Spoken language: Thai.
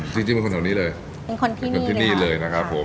จริงเป็นคนตรงนี้เลยเป็นคนที่นี่เลยนะครับผม